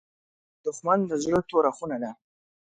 دښمن د زړه توره خونه ده